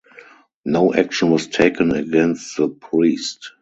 No action was taken against the priest.